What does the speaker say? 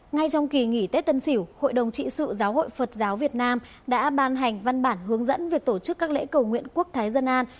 ngay trong kỳ nghỉ tết tân sỉu hội đồng trị sự giáo hội phật giáo việt nam đã ban hành văn bản hướng dẫn việc tổ chức các lễ cầu nguyện quốc thái dân an